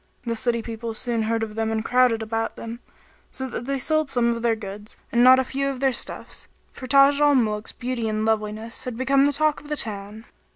The city people soon heard of them and crowded about them, so that they sold some of their goods and not a few of their stuffs; for Taj al Muluk's beauty and loveliness had become the talk of the town.